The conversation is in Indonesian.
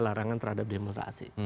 larangan terhadap demontrasi